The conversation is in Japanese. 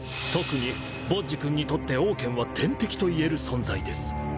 特にボッジ君にとってオウケンは天敵と言える存在です